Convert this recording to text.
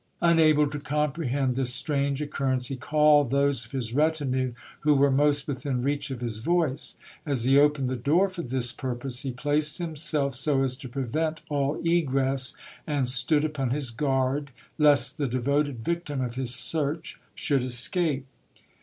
Unable to comprehend this strange oc currence, he called those of his retinue who were most within reach of his voice. As he opened the door for this purpose, he placed himself so as to prevent all egress, and stood upon his guard, lest the devoted victim of his search should escape.